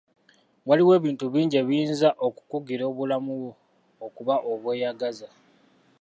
Waliwo ebintu bingi ebiyinza okukugira obulamu bwo okuba obweyagaza.